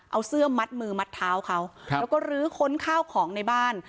เอาเสื้อมัดมือมัดเท้าเขาแล้วก็ลื้อค้นข้าวของในบ้าน